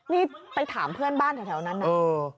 นี่ไปถามเพื่อนบ้านแถวนั้นนะ